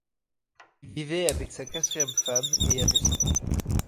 Il vivait avec sa quatrième femme et avait cinq enfants.